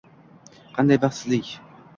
Qanday baxtsizlik